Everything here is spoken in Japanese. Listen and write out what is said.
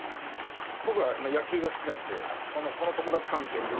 僕は野球が好きなんでこの友達関係をね